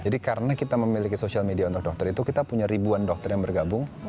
jadi karena kita memiliki social media untuk dokter itu kita punya ribuan dokter yang bergabung